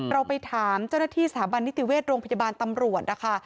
เราไปถามเจ้าหน้าที่สถาบันนิติเวชโรงพยาบาลตำรวจนะคะ